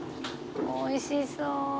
「おいしそう！」